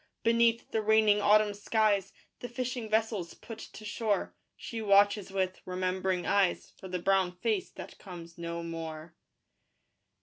Beneath the raining autumn skies The fishing vessels put to shore: She watches with remembering eyes For the brown face that comes no more.